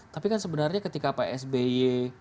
tapi kan sebenarnya ketika psby